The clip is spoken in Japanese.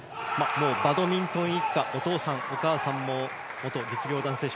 バドミントン一家お父さん、お母さんも元実業団選手。